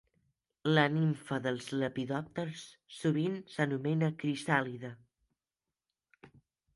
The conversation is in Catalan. La nimfa dels lepidòpters sovint s'anomena crisàlide.